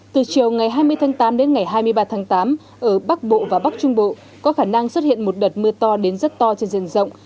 từ chiều ngày hai mươi tháng tám đến ngày hai mươi ba tháng tám ở bắc bộ và bắc trung bộ có khả năng xuất hiện một đợt mưa to đến rất to trên rừng rộng